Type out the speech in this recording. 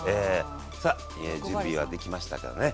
さっ準備はできましたかね？